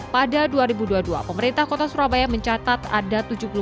pada dua ribu dua puluh dua pemerintah kota surabaya mencatat ada turunan